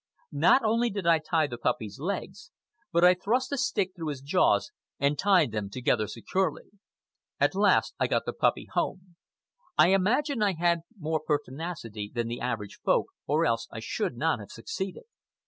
Not only did I tie the puppy's legs, but I thrust a stick through his jaws and tied them together securely. At last I got the puppy home. I imagine I had more pertinacity than the average Folk, or else I should not have succeeded.